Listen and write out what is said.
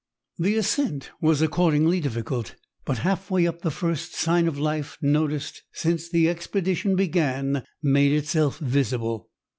The ascent was accordingly difficult, but half way up the first sign of life, noticed since the expedition began, made itself visible.